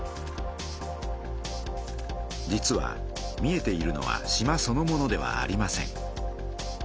実は見えているのは島そのものではありません。